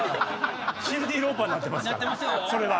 シンディ・ローパーになってますからそれは。